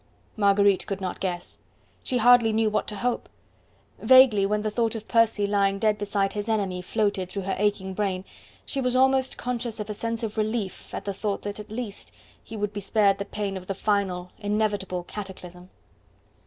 Marguerite could not guess. She hardly knew what to hope. Vaguely, when the thought of Percy lying dead beside his enemy floated through her aching brain, she was almost conscious of a sense of relief at the thought that at least he would be spared the pain of the final, inevitable cataclysm.